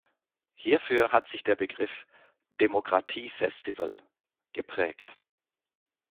Hierfür hat sich der Begriff "Demokratiefestival" geprägt.